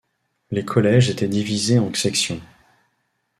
Les collèges étaient divisés en section.